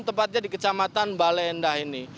tepatnya di kecamatan baleendah ini